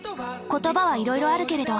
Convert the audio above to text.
言葉はいろいろあるけれど。